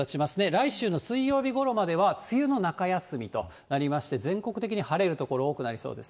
来週の水曜日ごろまでは、梅雨の中休みとなりまして、全国的に晴れる所多くなりそうです。